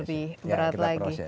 lebih berat lagi